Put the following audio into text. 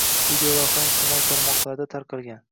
videolavhani ijtimoiy tarmoqlarda tarqalgan